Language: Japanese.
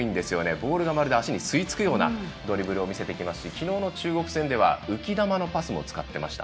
ボールがまるで足に吸い付くようなドリブルを見せますし昨日の中国戦では浮き球のパスも使っていました。